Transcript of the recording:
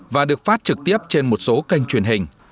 và được phát trực tiếp trên một số kênh truyền hình